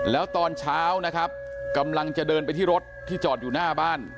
แล้วตอนเช้านะครับกำลังจะเดินไปที่รถที่จอดอยู่หน้าบ้าน